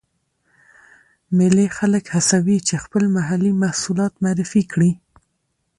مېلې خلک هڅوي، چې خپل محلې محصولات معرفي کړي.